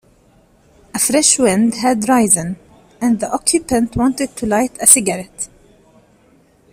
A fresh wind had risen, and the occupant wanted to light a cigarette.